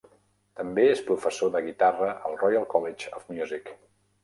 També és professor de guitarra al Royal College of Music.